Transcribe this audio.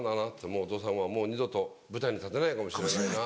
もうお父さんはもう二度と舞台に立てないかもしれないな」